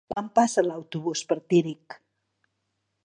Quan passa l'autobús per Tírig?